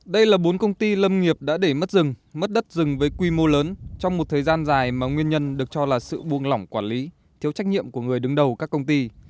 đây là bốn công ty lâm nghiệp đã để mất rừng mất đất rừng với quy mô lớn trong một thời gian dài mà nguyên nhân được cho là sự buông lỏng quản lý thiếu trách nhiệm của người đứng đầu các công ty